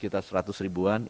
kita lihat di sini